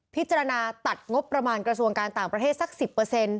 พิจารณาตัดงบประมาณกระทรวงการต่างประเทศสักสิบเปอร์เซ็นต์